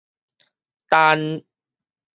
但